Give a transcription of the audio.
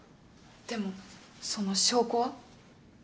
でもその証拠は？